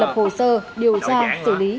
lập hồ sơ điều tra xử lý